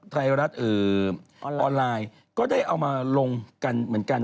ไทยรัฐออนไลน์ก็ได้เอามาลงกันเหมือนกัน